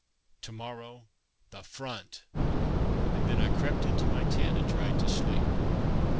To morrow THE FRONT! And then I crept into my tent and tried to sleep.